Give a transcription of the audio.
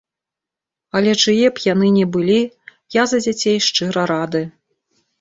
Але чые б яны ні былі, я за дзяцей шчыра рады.